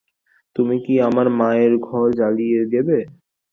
তুমি কি তোমার মায়ের ঘর জ্বালিয়ে দেবে?